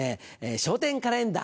笑点カレンダー。